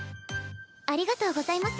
ありがとうございます。